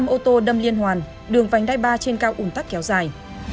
năm ô tô đâm liên hoàn đường vành đai ba trên cao ủn tắc kéo dài